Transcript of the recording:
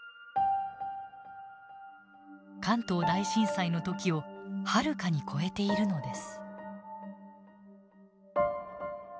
関東大震災の時をはるかに超えているのです。